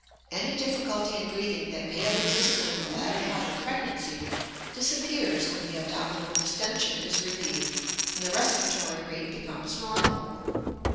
Any difficulty in breathing that may have existed in the latter part of pregnancy disappears when the abdominal distention is relieved, and the respiratory rate becomes normal.